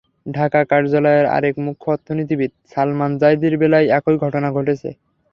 ঢাকা কার্যালয়ের আরেক মুখ্য অর্থনীতিবিদ সালমান জাইদির বেলায় একই ঘটনা ঘটেছে।